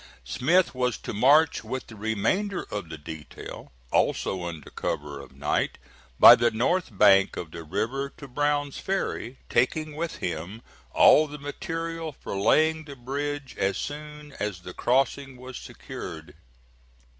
Smith was to march with the remainder of the detail, also under cover of night, by the north bank of the river to Brown's Ferry, taking with him all the material for laying the bridge as soon as the crossing was secured.